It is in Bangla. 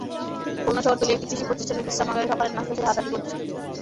খুলনা শহরতলির একটি কৃষি প্রতিষ্ঠানের বিশ্রামাগারে সকালের নাশতা সেরে হাঁটাহাঁটি করছি।